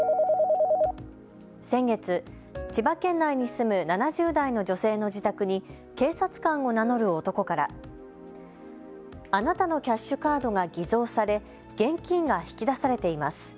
先月、千葉県内に住む７０代の女性の自宅に警察官を名乗る男から、あなたのキャッシュカードが偽造され現金が引き出されています。